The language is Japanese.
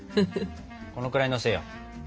このくらいのせよう。